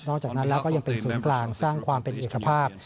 จากนั้นแล้วก็ยังเป็นศูนย์กลางสร้างความเป็นเอกภาพ